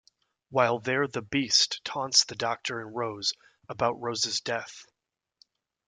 While there The Beast taunts the Doctor and Rose about Rose's death.